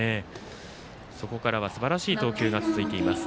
そこからはすばらしい投球が続いています。